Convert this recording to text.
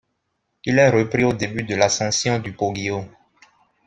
Il est repris au début de l'ascension du Poggio.